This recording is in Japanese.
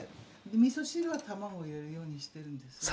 みそ汁は卵入れるようにしてるんですけど。